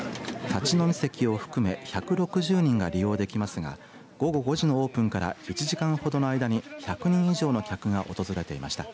立ち飲み席を含め１６０人が利用できますが午後５時のオープンから１時間ほどの間に１００人以上の客が訪れていました。